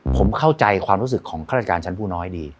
ผมเข้าใจความรู้สึกของข้าราชการชั้นผู้น้อยดี